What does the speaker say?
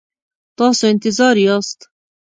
تاسو انتظار یاست؟